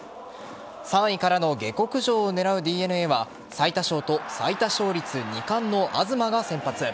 ３位からの下克上を狙うＤｅＮＡは最多勝と最多勝率２冠の東が先発。